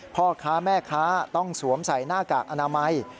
พ่อค้าแม่ค้าต้องสวมใส่หน้ากากอนามัย